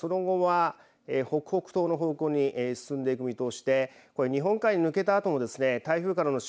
その後は北北東の方向に進んでいく見通しでこれ日本海へ抜けたあともですね